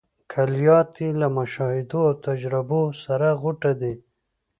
کلیات یې له مشاهدو او تجربو سره غوټه دي.